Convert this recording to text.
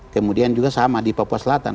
kemudian juga sama di papua selatan